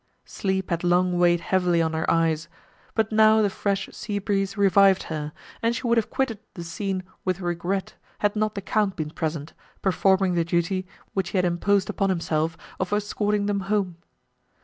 Sleep had long weighed heavily on her eyes, but now the fresh sea breeze revived her, and she would have quitted the scene with regret, had not the Count been present, performing the duty, which he had imposed upon himself, of escorting them home.